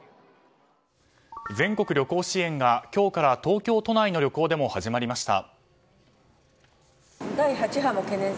全国旅行支援が今日から東京都内の旅行でも始まりました。